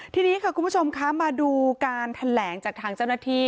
ทีนี้ค่ะคุณผู้ชมคะมาดูการแถลงจากทางเจ้าหน้าที่